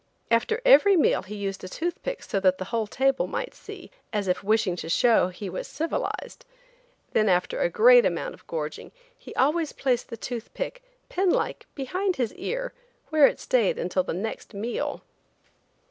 After every meal he used a tooth pick so that the whole table might see, as if wishing to show he was civilized! Then after a great amount of gorging he always placed the tooth pick pen like behind his ear where it stayed until the next meal.